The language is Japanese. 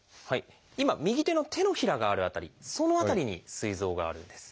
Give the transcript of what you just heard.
今右手の手のひらがある辺りその辺りにすい臓があるんです。